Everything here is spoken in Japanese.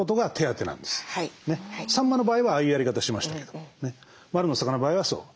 さんまの場合はああいうやり方しましたけどまるの魚の場合はそう。